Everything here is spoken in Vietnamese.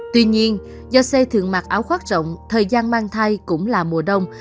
tuy nhiên do xe thường mặc áo khoác rộng thời gian mang thai cũng là mùa đông